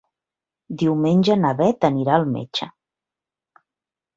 Diumenge na Bet anirà al metge.